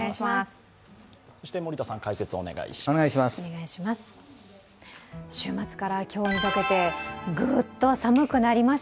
そして森田さん、解説をお願いします。